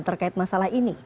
terkait masalah ini